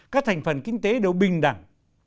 các thành phần kinh tế đều bình đẳng